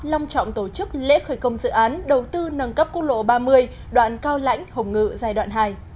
long trọng tổ chức lễ khởi công dự án đầu tư nâng cấp quốc lộ ba mươi đoạn cao lãnh hồng ngự giai đoạn hai